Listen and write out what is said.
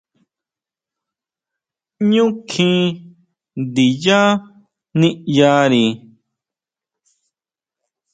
ʼÑu kjín ndiyá niʼyari.